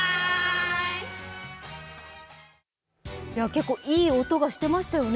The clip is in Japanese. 結構、いい音がしてましたよね。